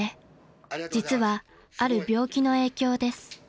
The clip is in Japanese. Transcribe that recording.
［実はある病気の影響です］